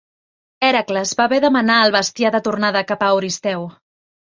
Hèracles va haver de menar el bestiar de tornada cap a Euristeu.